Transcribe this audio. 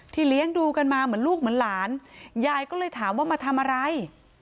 เลี้ยงดูกันมาเหมือนลูกเหมือนหลานยายก็เลยถามว่ามาทำอะไร